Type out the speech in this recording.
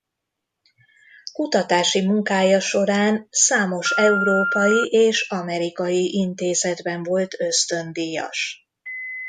Kutatási munkája során számos európai és amerikai intézetben volt ösztöndíjas.